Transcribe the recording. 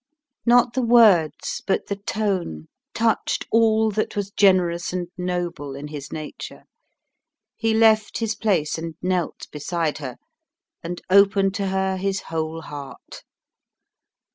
Not the words, but the tone, touched all that was generous and noble in his nature. He left his place and knelt beside her, and opened to her his whole heart.